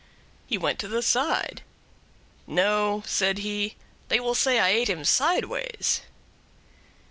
'" He went to the side. "No," said he, "they will say I ate him sideways."